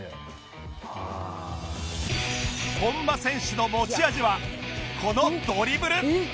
本間選手の持ち味はこのドリブル